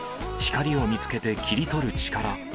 光を見つけて切り取る力。